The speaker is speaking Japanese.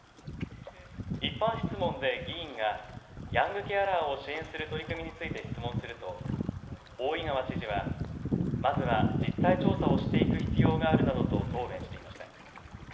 一般質問で議員がヤングケアラーを支援する取り組みについて質問すると大井川知事はまずは実態調査をしていく必要があるなどと答弁していました。